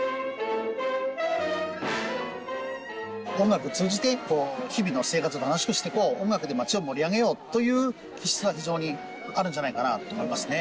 音楽を通じて日々の生活を楽しくしていこう音楽で街を盛り上げようという気質が非常にあるんじゃないかなと思いますね